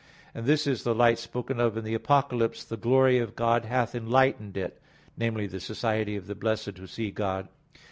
And this is the light spoken of in the Apocalypse (Apoc. 21:23): "The glory of God hath enlightened it" viz. the society of the blessed who see God.